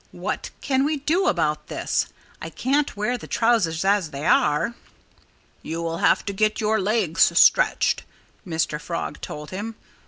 "What can we do about this? I can't wear the trousers as they are." "You'll have to get your legs stretched," Mr. Frog told him.